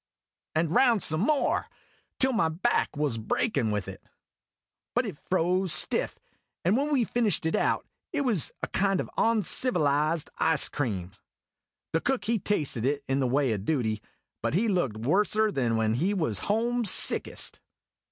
And round, some more till my back was breakin' with it. But it froze stiff; and when we fished it out, it was a kind of oncivilized ice cream. The Cook he tasted it, in the way o' duty ; but he looked worser than when he was homesickest.